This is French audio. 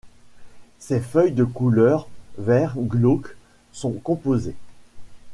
Ses feuilles de couleur vert glauque sont composées.